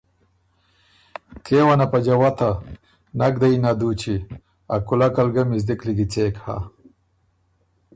کېونه په جوَته، نک ده یِن ا دُوچی، ا کُولک ال ګه مِزدِک لیکی څېک هۀ“